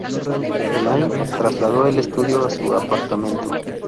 Elaine trasladó el estudio a su apartamento.